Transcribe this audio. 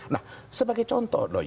nah sebagai contoh